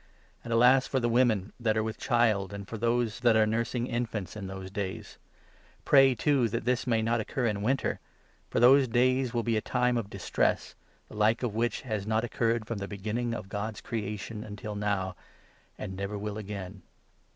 And alas for the women that are with child, and for those that are nurs ing infants in those days ! Pray, too, that this may not occur in winter. For those days will be a time of distress, the like of which has not occurred from the beginning of God's creation until now — and never will again.